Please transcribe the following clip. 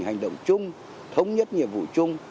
hành động chung thống nhất nhiệm vụ chung